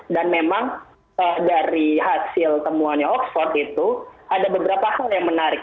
dan memang dari hasil temuannya oxford itu ada beberapa hal yang menarik